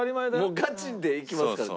ガチでいきますからね。